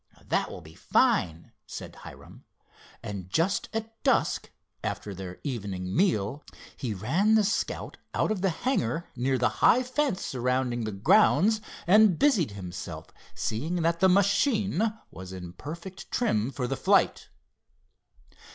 "That will be fine," said Hiram, and just at dusk, after their evening meal, he ran the Scout out of the hangar near the high fence surrounding the grounds, and busied himself seeing that the machine was in perfect trim for the flight.